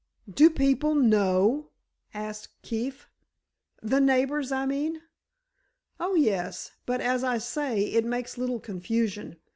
"Do people know?" asked Keefe. "The neighbors, I mean." "Oh, yes; but, as I say, it makes little confusion.